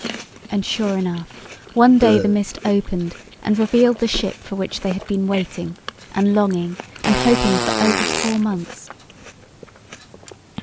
And sure enough, one day the mist opened and revealed the ship for which they had been waiting and longing and hoping for over four months.